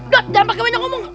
jangan pake banyak omong